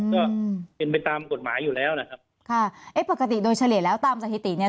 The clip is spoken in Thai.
ก็เป็นไปตามกฎหมายอยู่แล้วนะครับค่ะเอ๊ะปกติโดยเฉลี่ยแล้วตามสถิติเนี้ย